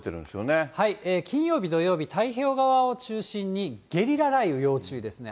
金曜日、土曜日、太平洋側を中心に、ゲリラ雷雨要注意ですね。